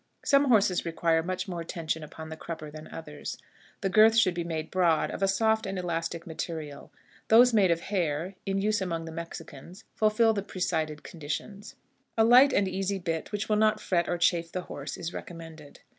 Some horses require much more tension upon the crupper than others. The girth should be made broad, of a soft and elastic material. Those made of hair, in use among the Mexicans, fulfill the precited conditions. A light and easy bit, which will not fret or chafe the horse, is recommended.